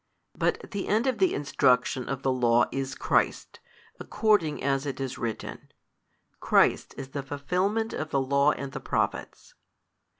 But the end of the instruction of the Law is Christ, according as it is written, Christ is the fulfilment of the law and the Prophets.